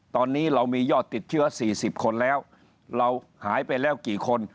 ตอนนี้เรามียอดติดเชื้อ๔๐คนแล้วเราหายไปแล้วกี่คน